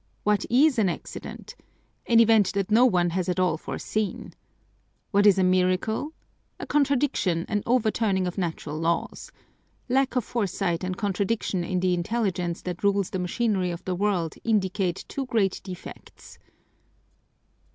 What is an accident? An event that no one has at all foreseen. What is a miracle? A contradiction, an overturning of natural laws. Lack of foresight and contradiction in the Intelligence that rules the machinery of the world indicate two great defects."